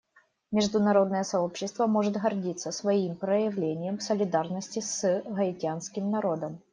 Международное сообщество может гордиться своим проявлением солидарности с гаитянским народом.